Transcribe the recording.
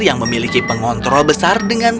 yang memiliki pengontrol besar dengan